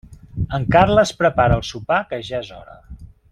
En Carles prepara el sopar que ja és hora.